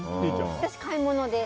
私、買い物です。